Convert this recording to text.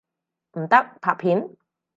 唔得，拍片！